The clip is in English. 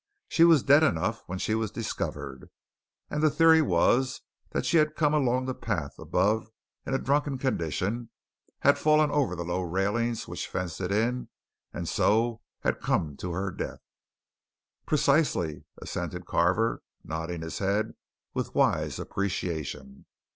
She was dead enough when she was discovered, and the theory was that she had come along the path above in a drunken condition, had fallen over the low railings which fenced it in, and so had come to her death." "Precisely," assented Carver, nodding his head with wise appreciation.